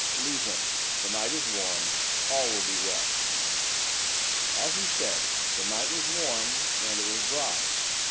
Leave him, the night is warm, all will be well.' As he said, the night was warm, and it was dry.